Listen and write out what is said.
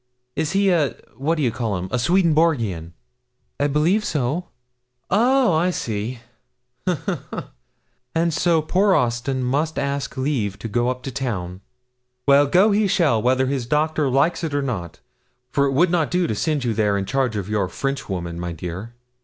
'Is he a what d'ye call'em a Swedenborgian?' 'I believe so.' 'Oh, I see; ha, ha, ha! And so poor Austin must ask leave to go up to town. Well, go he shall, whether his doctor likes it or not, for it would not do to send you there in charge of your Frenchwoman, my dear.